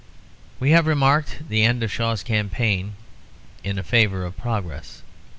We have remarked the end of Shaw's campaign in favour of progress.